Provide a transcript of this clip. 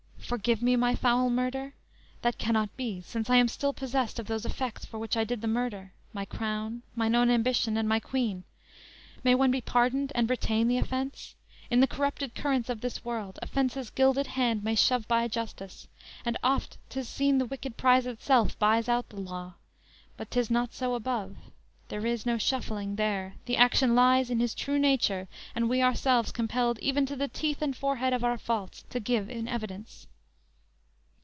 Forgive me my foul murder? That cannot be, since I am still possessed Of those effects for which I did the murder, My crown, mine own ambition and my queen, May one be pardoned and retain the offense? In the corrupted currents of this world Offense's gilded hand may shove by justice, And oft 'tis seen the wicked prize itself Buys out the law; but 'tis not so above; There, is no shuffling, there, the action lies In his true nature, and we ourselves compelled Even to the teeth and forehead of our faults To give in evidence!"